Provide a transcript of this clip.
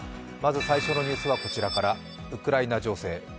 まず最初のニュースは、こちらからウクライナ情勢。